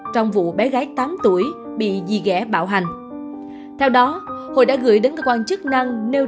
trong vụ bé gái tám tuổi bị dì ghẻ bạo hành theo đó hội đã gửi đến cơ quan chức năng nêu